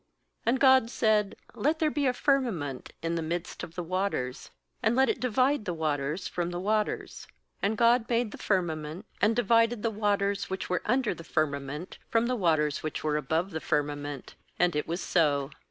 6And God said: 'Let there be a firmament in the midst of the waters, •and let it divide the waters from the waters.' 7And God made the firma ment, and divided the waters which were under the firmament from the waters which were above the firma ment; and it was so.